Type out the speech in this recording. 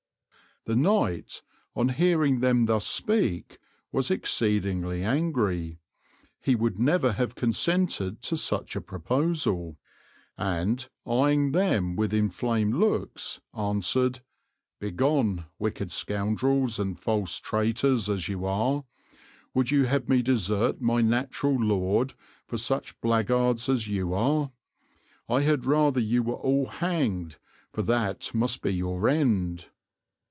The knight, on hearing them thus speak, was exceedingly angry; he would never have consented to such a proposal; and, eyeing them with inflamed looks, answered, 'Begone, wicked scoundrels and false traitors as you are; would you have me desert my natural lord for such blackguards as you are? I had rather you were all hanged, for that must be your end.'